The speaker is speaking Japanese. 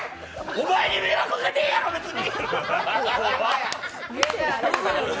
お前に迷惑かけてへんやろ、別に！